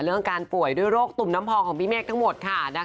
เรื่องการป่วยด้วยโรคตุ่มน้ำพองของพี่เมฆทั้งหมดค่ะ